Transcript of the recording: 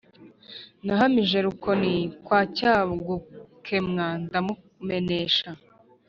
nahamije Rukoni kwa Cyagukemwa ndamumenesha